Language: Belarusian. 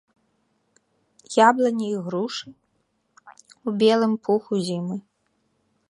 Яблыні і грушы ў белым пуху зімы.